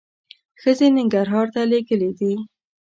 ښځې ننګرهار ته لېږلي دي.